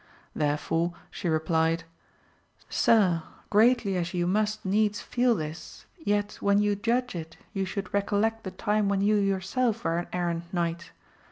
Therefore 106 AMADIS OF GAUL. she replied, Sir, greatly as you must needs feel this, yet when you judge it you should recollect the time when you yourself were an errant knight.